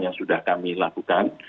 yang sudah kami lakukan